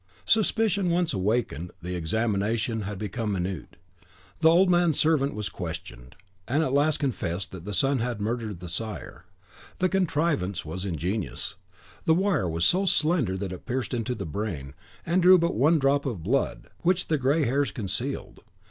Suspicion once awakened, the examination became minute. The old man's servant was questioned, and at last confessed that the son had murdered the sire. The contrivance was ingenious: the wire was so slender that it pierced to the brain, and drew but one drop of blood, which the grey hairs concealed.